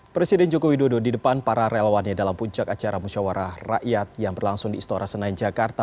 presiden joko widodo di depan para relawannya dalam puncak acara musyawarah rakyat yang berlangsung di istora senayan jakarta